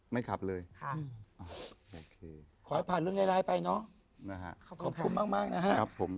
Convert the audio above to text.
ไม่ขับเลยขอให้ผ่านเรื่องใดไปเนอะขอบคุณมากนะฮะ